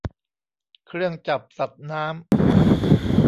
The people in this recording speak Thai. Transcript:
เครื่องจับสัตว์น้ำ